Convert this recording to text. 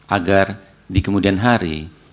agar di kemudian hari